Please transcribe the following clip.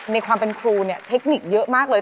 ในความเป็นครูเนี่ยเทคนิคเยอะมากเลย